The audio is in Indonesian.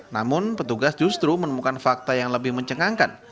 namun petugas justru menemukan fakta yang lebih mencengangkan